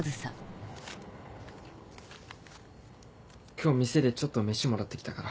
今日店でちょっと飯もらってきたから。